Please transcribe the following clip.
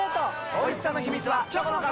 おいしさの秘密はチョコの壁！